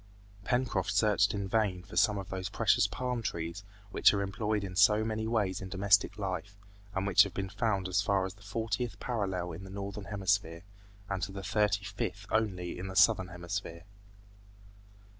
Pencroft searched in vain for some of those precious palm trees which are employed in so many ways in domestic life, and which have been found as far as the fortieth parallel in the Northern Hemisphere, and to the thirty fifth only in the Southern Hemisphere.